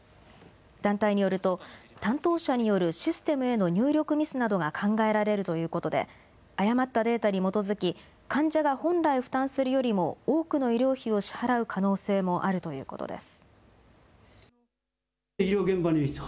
団体によると担当者によるシステムへの入力ミスなどが考えられるということで誤ったデータに基づき患者が本来負担するよりも多くの医療費を支払う可能性もあるということです。